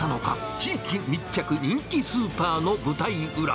地域密着人気スーパーの舞台裏。